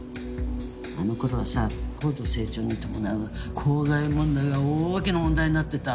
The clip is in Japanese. あの頃はさ高度成長に伴う公害問題が大きな問題になってた。